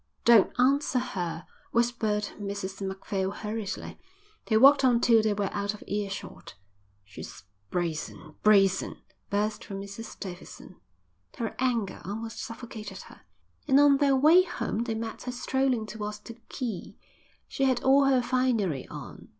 "Don't answer her," whispered Mrs Macphail hurriedly. They walked on till they were out of earshot. "She's brazen, brazen," burst from Mrs Davidson. Her anger almost suffocated her. And on their way home they met her strolling towards the quay. She had all her finery on.